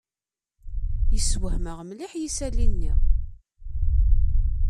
Yessewhem-aɣ mliḥ yisali-nni.